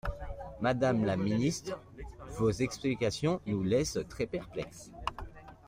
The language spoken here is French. Madame la ministre, vos explications nous laissent très perplexes.